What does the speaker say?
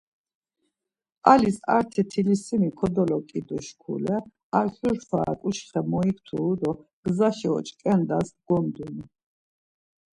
Alis arti tilisimi kodoloǩidu şkule arjur fara ǩuçxe moikturu do gzaşi oç̌ǩendas gondunu.